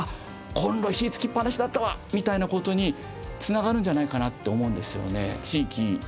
コンロ火つきっぱなしだったわ」みたいなことにつながるんじゃないかなと思うんですよね。